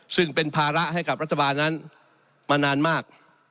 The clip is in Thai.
ซึ่งเป็นภาระให้กับรัฐบาลนั้นมานานมาก